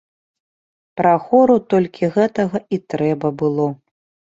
Прахору толькі гэтага і трэба было.